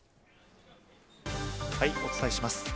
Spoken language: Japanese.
お伝えします。